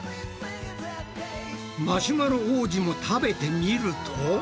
マシュマロ王子も食べてみると。